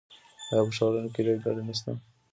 آیا په ښارونو کې ریل ګاډي نشته؟